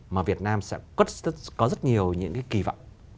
mà việt nam sẽ có rất nhiều những cái kỳ vọng